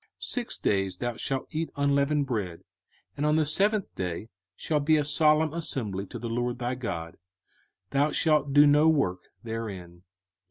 05:016:008 Six days thou shalt eat unleavened bread: and on the seventh day shall be a solemn assembly to the LORD thy God: thou shalt do no work therein.